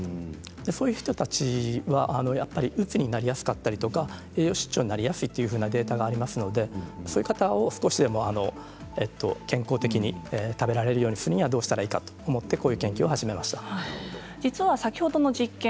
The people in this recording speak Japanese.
そういう人たちは、やっぱりうつになりやすかったりとか栄養失調になりやすいというようなデータがありますので、そういう方を少しでも健康的に、食べられるようにするにはどうしたらいいかと思って実は先ほどの実験